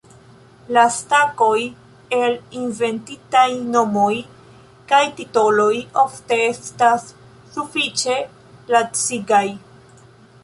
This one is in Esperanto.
La stakoj el inventitaj nomoj kaj titoloj ofte estas sufiĉe lacigaj.